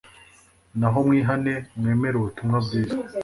Nuko mwihane, mwemere ubutumwa bwiza'."